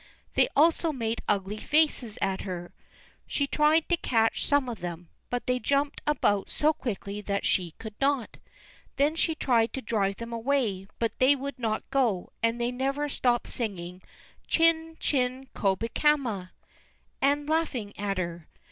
They also made ugly faces at her. She tried to catch some of them, but they jumped about so quickly that she could not. Then she tried to drive them away, but they would not go, and they never stopped singing: Chin chin Kobakama ... and laughing at her.